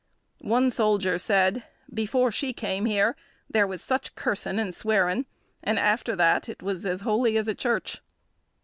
One soldier said, "Before she came here, there was such cursin' and swearing, and after that it was as holy as a church."